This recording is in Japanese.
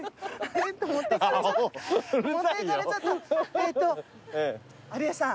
えっと有吉さん